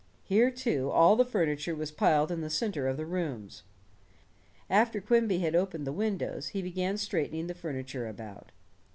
Here, too, all the furniture was piled in the center of the rooms. After Quimby had opened the windows, he began straightening the furniture about.